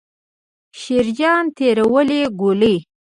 شیرجان تېرې ولي ګولۍ.